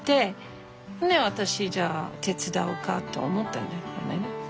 ほんで私じゃあ手伝おうかと思ったんだけど。